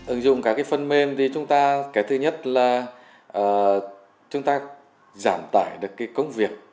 ứng dụng các phần mềm thì chúng ta cái thứ nhất là chúng ta giảm tải được công việc